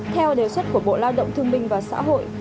theo đề xuất của bộ lao động thương minh và xã hội